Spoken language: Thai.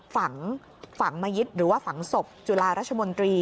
ฝังฝังมะยิตหรือว่าฝังศพจุฬาราชมนตรี